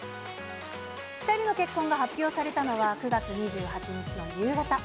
２人の結婚が発表されたのは９月２８日の夕方。